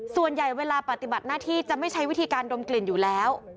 ส่วนใหญ่เวลาปฏิบัติหน้าที่จะไม่ใช้วิธีการดมกลิ่นอยู่แล้ว